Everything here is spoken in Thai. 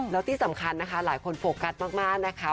แล้วที่สำคัญนะคะหลายคนโฟกัสมากนะคะ